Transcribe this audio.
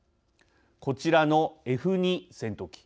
こちらのＦ２戦闘機。